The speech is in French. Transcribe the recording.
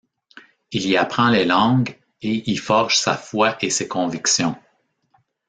Il y apprend les langues et y forge sa foi et ses convictions.